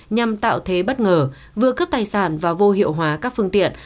nhằm tạo thế bất ngờ vừa cướp tài sản và vô hiệu hóa các phương tiện